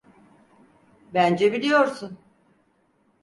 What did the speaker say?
Bence biliyorsun.